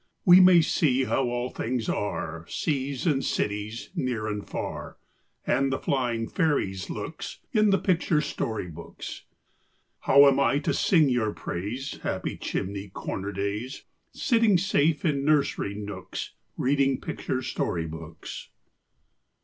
We may see how all things are, Seas and cities, near and far, And the flying fairies' looks, In the picture story books. How am I to sing your praise, Happy chimney corner days, Sitting safe in nursery nooks, Reading picture story books?